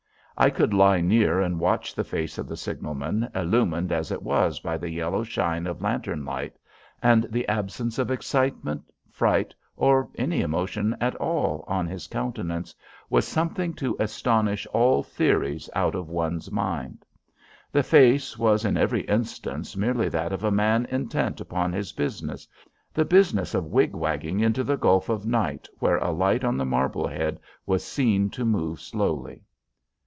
I could lie near and watch the face of the signalman, illumed as it was by the yellow shine of lantern light, and the absence of excitement, fright, or any emotion at all on his countenance, was something to astonish all theories out of one's mind. The face was in every instance merely that of a man intent upon his business, the business of wig wagging into the gulf of night where a light on the Marblehead was seen to move slowly.